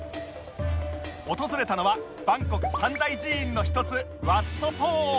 訪れたのはバンコク三大寺院の一つワット・ポー